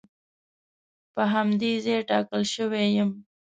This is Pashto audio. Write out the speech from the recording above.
په همدې ځای ټاکل شوی یم.